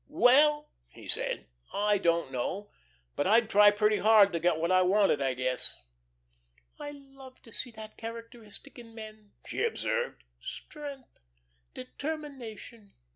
"Well," he said, "I don't know, but I'd try pretty hard to get what I wanted, I guess." "I love to see that characteristic in men," she observed. "Strength, determination."